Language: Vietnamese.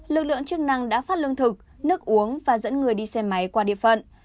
lực lượng chức năng đã phát lương thực nước uống và dẫn người đi xe máy qua địa phận